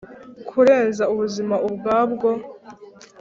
kurenza ubuzima ubwabwo